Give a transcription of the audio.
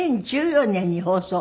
２０１４年に放送。